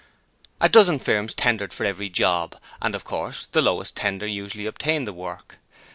A dozen firms tendered for every 'job', and of course the lowest tender usually obtained the work.